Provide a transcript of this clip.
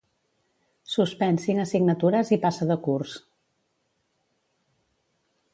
Suspèn cinc assignatures i passa de curs.